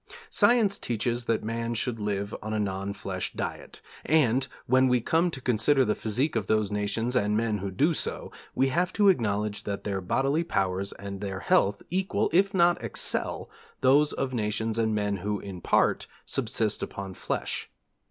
Science teaches that man should live on a non flesh diet, and when we come to consider the physique of those nations and men who do so, we have to acknowledge that their bodily powers and their health equal, if not excel, those of nations and men who, in part, subsist upon flesh.